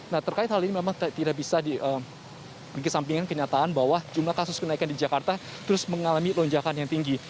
nah terkait hal ini memang tidak bisa dikesampingkan kenyataan bahwa jumlah kasus kenaikan di jakarta terus mengalami lonjakan yang tinggi